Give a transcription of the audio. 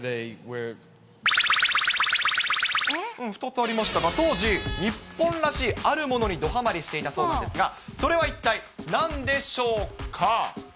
２つありましたが、当時、日本らしいあるものにどはまりしていたそうなんですが、それは一体なんでしょうか？